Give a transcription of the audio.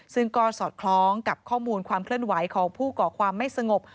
ซึ่งก็สอดคล้องกับข้อมูลความเคลื่อนไหวของผู้ก่อความไม่สงบ